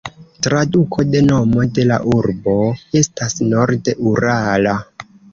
Traduko de nomo de la urbo estas "nord-Urala".